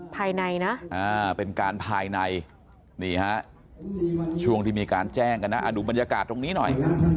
ภายในนะเป็นการภายในนี่ฮะช่วงที่มีการแจ้งกันนะดูบรรยากาศตรงนี้หน่อย